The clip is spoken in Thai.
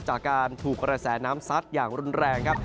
จากการถูกกระแสน้ำซัดอย่างรุนแรงครับ